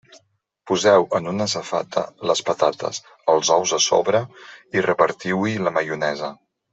Poseu en una safata les patates, els ous a sobre, i repartiu-hi la maionesa.